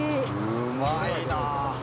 うまいなあ。